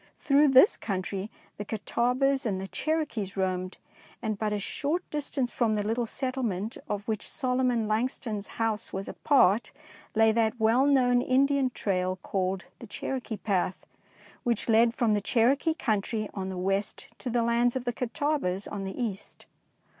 Through this country the Catawbas and the Cherokees roamed, and but a short distance from the little settlement of which Solomon Langston^ s house was a part, lay that well known Indian trail called the " Cherokee Path,^^ which led from the Cherokee country on the west to the lands of the Catawbas on the east.